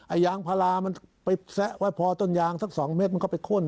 ไอ้ยางพารามันไปแซะว่าพอต้นยางสักสองเม็ดมันก็ไปคล่น